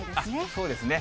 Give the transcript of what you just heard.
そうですね。